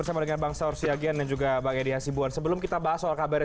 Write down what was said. karena huru hura ksatran